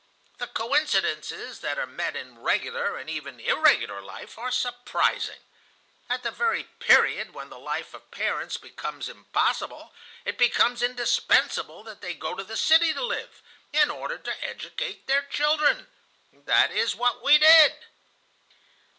The coincidences that are met in regular, and even in irregular life, are surprising. At the very period when the life of parents becomes impossible, it becomes indispensable that they go to the city to live, in order to educate their children. That is what we did."